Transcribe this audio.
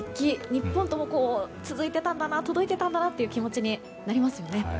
日本から届いていたという気持ちになりますね。